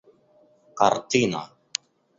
картина